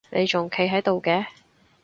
你仲企到嘅？